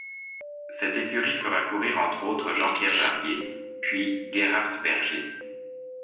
Cette écurie fera courir entre autres Jean-Pierre Jarier puis Gerhard Berger.